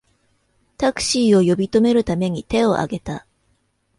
タクシーを呼び止めるために手をあげた